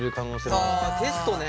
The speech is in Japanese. あテストね。